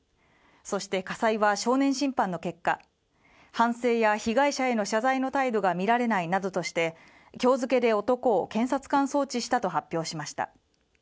そして、家裁は少年審判の結果、反省や被害者への謝罪が見られないとして、今日付で男を検察官送致したと発表しました。